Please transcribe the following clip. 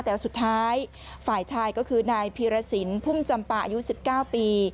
แต่สุดท้ายฝ่ายชายก็คือนายพีรสินพุ่มจำปาอายุ๑๙ปี